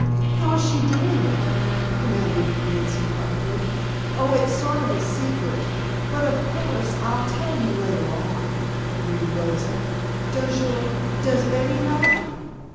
"How's she doing it?" demanded Nancy, frankly. "Oh, it's sort of a secret, but, of course, I'll tell you later on," agreed Rosa. "Does your does Betty know?"